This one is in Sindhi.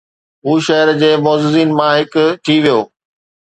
هو شهر جي معززين مان هڪ ٿي ويو